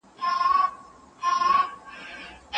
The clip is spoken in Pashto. د قران کریم له مخې د ژوند حق خورا سپېڅلی دی.